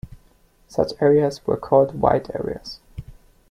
Such areas were called 'white areas'.